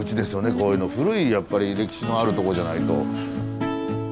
こういうの古いやっぱり歴史のあるとこじゃないと。